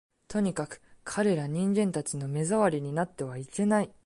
とにかく、彼等人間たちの目障りになってはいけない